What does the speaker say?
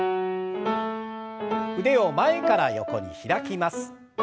腕を前から横に開きます。